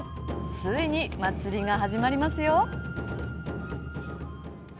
ついに祭りが始まります。